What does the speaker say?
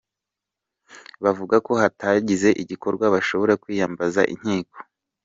Bavuga ko hatagize igikorwa bashobora kwiyambaza inkiko.